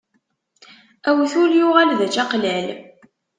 Awtul yuɣal d ačaqlal.